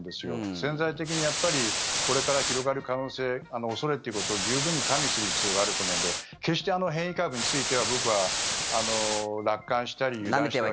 潜在的にこれから広がる可能性恐れということを十分に加味する必要があると思うので決して変異株については僕は楽観したり油断しては。